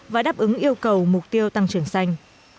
và đáp ứng yêu cầu mục tiêu tăng trưởng xanh